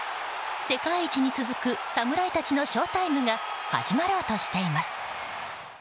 世界一に続く侍たちのショータイムが始まろうとしています。